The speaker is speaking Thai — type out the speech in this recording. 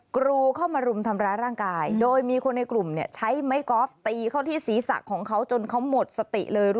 กรูเข้ามารุมทำร้ายร่างกาย